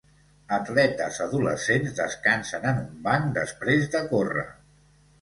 atletes adolescents descansen en un banc després de córrer